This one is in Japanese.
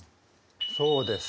そうです。